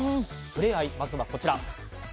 触れ合い、まずはこちら。